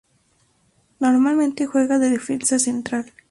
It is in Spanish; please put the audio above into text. Normalmente juega de defensa central.